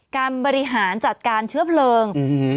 บริหารจัดการเชื้อเพลิง